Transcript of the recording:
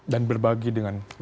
dan berbagi dengan yang lainnya